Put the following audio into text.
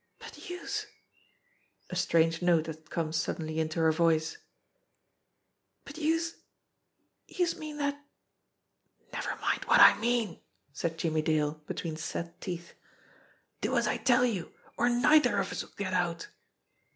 "But youse" a strange note had come suddenly into her voice "but youse youse mean dat " "Never mind what I mean," said Jimmie Dale between set teeth. "Do as I tell you, or neither of us'll get out